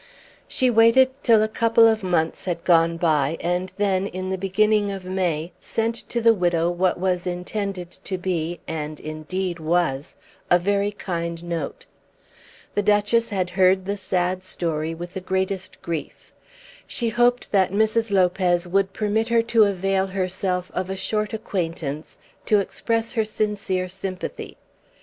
She waited till a couple of months had gone by, and then, in the beginning of May, sent to the widow what was intended to be, and indeed was, a very kind note. The Duchess had heard the sad story with the greatest grief. She hoped that Mrs. Lopez would permit her to avail herself of a short acquaintance to express her sincere sympathy.